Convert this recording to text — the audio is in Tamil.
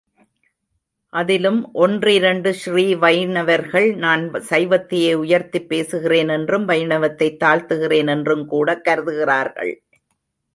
அதிலும் ஒன்றிரண்டு ஸ்ரீ வைணவர்கள், நான் சைவத்தையே உயர்த்திப் பேசுகிறேன் என்றும் வைணவத்தைத் தாழ்த்துகிறேன் என்றுகூடக் கருதுகிறார்கள்.